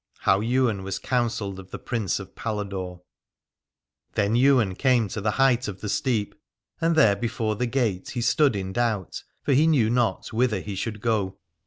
HOW YWAIN WAS COUNSELLED OF THE PRINCE OF PALADORE. Then Ywain came to the height of the steep, and there before the gate he stood in doubt, for he knew not whither he should go.